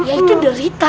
ya itu derita